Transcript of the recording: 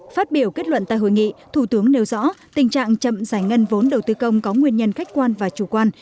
phát biểu kết luận tại hội nghị thủ tướng nêu rõ tình trạng chậm giải ngân vốn đầu tư công có nguyên nhân khách quan và chủ quan